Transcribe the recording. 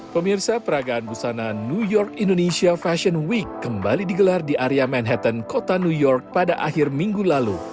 pemirsa peragaan busana new york indonesia fashion week kembali digelar di area manhattan kota new york pada akhir minggu lalu